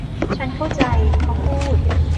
ฉันเข้าใจ เขาพูด